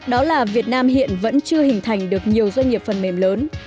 đó là việt nam hiện vẫn chưa hình thành được nhiều doanh nghiệp phần mềm lớn